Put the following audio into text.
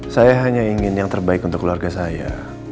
saya hanya ingin yang terbaik untuk keluarga saya